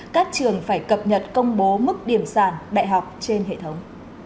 các trường phải cập nhật công bố mức điểm sàn đại học trên hệ thống